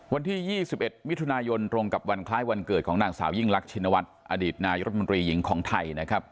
วันที่๒๑มิถุนายนตรงกับวันคล้ายวันเกิดของนางสาวยิ่งรักชินวัฒน์อดีตนายรัฐมนตรีหญิงของไทยนะครับ